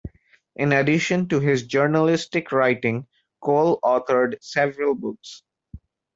In addition to his journalistic writing, Cole authored several books.